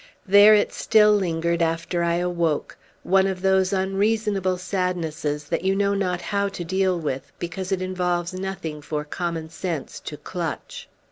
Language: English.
There it still lingered, after I awoke; one of those unreasonable sadnesses that you know not how to deal with, because it involves nothing for common sense to clutch.